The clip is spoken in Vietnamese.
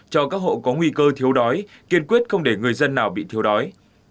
cho các hộ có nguy cơ thiếu đói kiên quyết không để người dân nào bị thiếu đói